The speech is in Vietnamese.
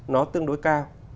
nó tương đối cao